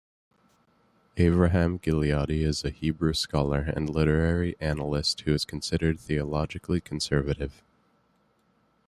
Avraham Gileadi is a Hebrew scholar and literary analyst who is considered theologically conservative.